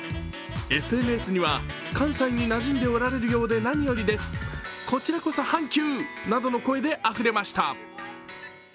ＳＮＳには、関西になじんでおられるようで何よりです、こちらこそハンキュー！などの声であふれました。